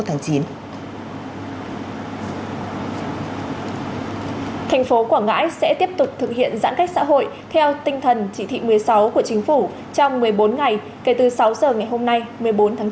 thành phố quảng ngãi sẽ tiếp tục thực hiện giãn cách xã hội theo tinh thần chỉ thị một mươi sáu của chính phủ trong một mươi bốn ngày kể từ sáu giờ ngày hôm nay một mươi bốn tháng bốn